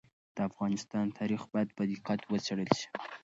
د افغانستان تاریخ باید په دقت وڅېړل سي.